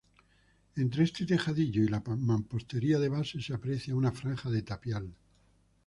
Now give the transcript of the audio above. Entre este tejadillo y la mampostería de base se aprecia una franja de tapial.